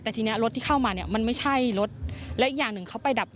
แต่ทีเนี้ยรถที่เข้ามาเนี่ยมันไม่ใช่รถและอีกอย่างหนึ่งเขาไปดับ